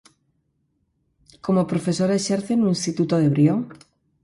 Como profesora exerce no instituto de Brión.